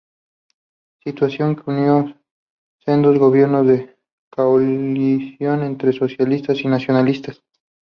Situación que unió a sendos gobiernos de coalición entre socialistas y nacionalistas.